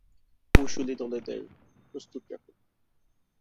কৌশলী দলদের প্রস্তুত রাখুন।